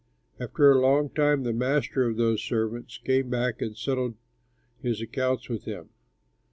"After a long time the master of those servants came back and settled his accounts with them.